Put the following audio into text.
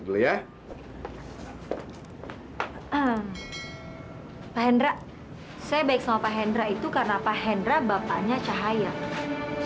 pak hendra saya baik sama pak hendra itu karena pak hendra bapaknya cahaya